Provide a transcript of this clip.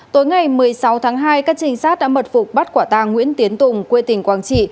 tối ngày một mươi sáu tháng hai các trinh sát đã mật phục bắt quả tàng nguyễn tiến tùng quê tỉnh quảng trị